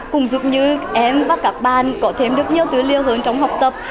cùng giúp như em và các bạn có thêm được nhiều thứ liêu hướng trong học tập